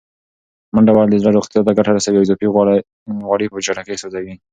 منډه وهل د زړه روغتیا ته ګټه رسوي او اضافي غوړي په چټکۍ سوځوي.